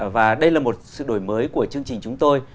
và đây là một sự đổi mới của chương trình chúng tôi